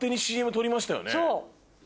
そう。